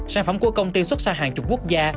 sản phẩm của công ty xuất sang hàng chục quốc gia